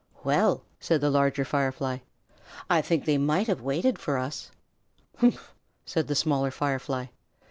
"Well," said the Larger Firefly, "I think they might have waited for us." "Humph!" said the Smaller Firefly.